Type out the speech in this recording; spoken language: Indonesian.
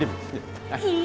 dim dim dim